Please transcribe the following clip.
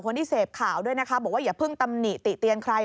บอกว่าอย่าเพิ่งตำหนิติเตียนใคร